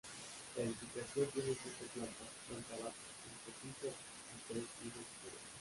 La edificación tiene cinco plantas: planta baja, entrepiso y tres pisos superiores.